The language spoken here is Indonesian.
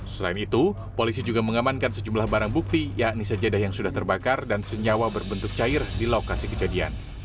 selain itu polisi juga mengamankan sejumlah barang bukti yakni sejedah yang sudah terbakar dan senyawa berbentuk cair di lokasi kejadian